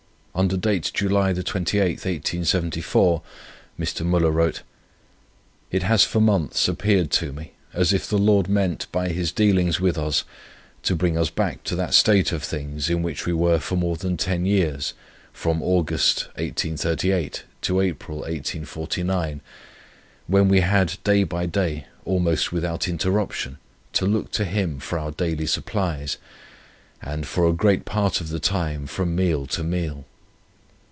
Under date July 28, 1874, Mr. Müller wrote: "It has for months appeared to me, as if the Lord meant, by His dealings with us, to bring us back to that state of things, in which we were for more than ten years, from August, 1838, to April, 1849, when we had day by day, almost without interruption, to look to Him for our daily supplies, and, for a great part of the time, from meal to meal.